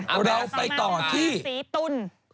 เอาแล้วไปต่อที่สีตุ้น